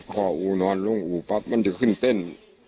พออู่นอนลงอู่ปั๊บมันจะขึ้นเต้น